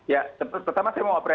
ya pertama saya mau